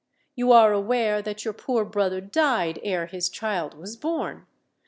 You are aware that your poor brother died ere his child was born.